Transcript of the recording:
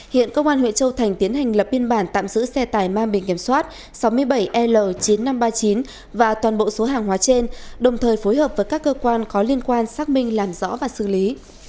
hiện công an huyện châu thành tiến hành lập biên bản tạm giữ xe tải mang bình kiểm soát sáu mươi bảy l chín nghìn năm trăm ba mươi chín và toàn bộ số hàng hóa trên đồng thời phối hợp với các cơ quan có liên quan xác minh làm rõ và xử lý